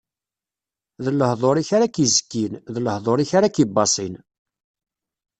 D lehduṛ-ik ara k-izekkin, d lehduṛ-ik ara k-ibaṣin.